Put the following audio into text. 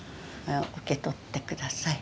受け取ってください。